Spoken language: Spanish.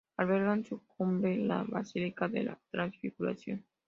Alberga en su cumbre la Basílica de la Transfiguración.